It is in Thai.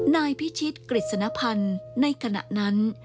นายพิชิตกฤษณภัณฑ์ในขณะนั้น